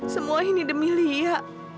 semua ini demi lia